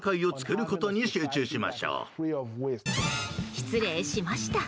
失礼しました。